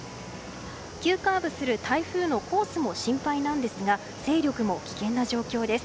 急カーブする台風のコースも心配なんですが勢力も危険な状況です。